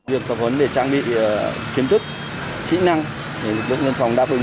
việc tập hấn để trang bị kiến thức kỹ năng để lực lượng nhân phòng đáp ứng